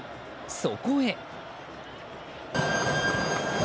そこへ。